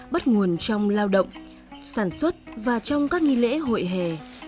bắt nguồn trong lao động sản xuất và trong các nghi lễ hội hè